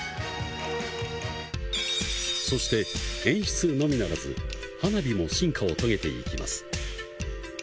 そして、演出のみならず花火も進化を遂げていきます。